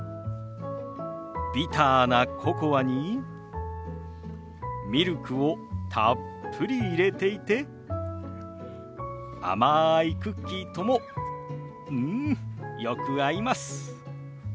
ビターなココアにミルクをたっぷり入れていて甘いクッキーともうんよく合います。